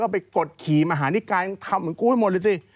ไปกดขี่มหานิกายยังทำเหมือนกูให้หมดเลยสิ